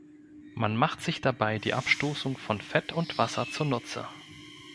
Man macht sich dabei die Abstoßung von Fett und Wasser zunutze.